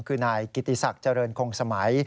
คือนายกิติศักดิ์เจริญคงสมัย